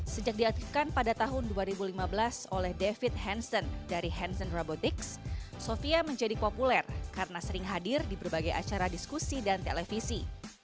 sejak diaktifkan pada tahun dua ribu lima belas oleh david hansen dari hansen robotics sofia menjadi populer karena sering hadir di berbagai acara diskusi dan televisi